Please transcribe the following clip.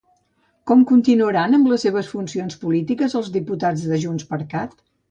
Com continuaran amb les seves funcions polítiques els diputats de JxCat?